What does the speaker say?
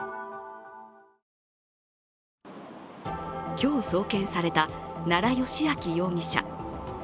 今日送検された奈良幸晃容疑者。